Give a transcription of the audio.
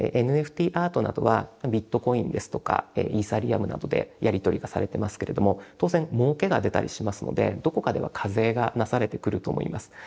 ＮＦＴアートなどはビットコインですとかイーサリアムなどでやり取りがされてますけれども当然もうけが出たりしますのでどこかでは課税がなされてくると思います。